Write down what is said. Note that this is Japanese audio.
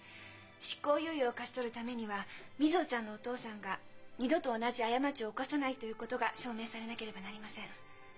執行猶予を勝ち取るためには瑞穂ちゃんのお父さんが二度と同じ過ちを犯さないということが証明されなければなりません。